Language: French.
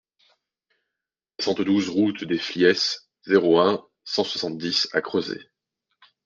soixante-douze route de Flies, zéro un, cent soixante-dix à Crozet